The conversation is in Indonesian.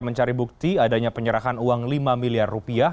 mencari bukti adanya penyerahan uang lima miliar rupiah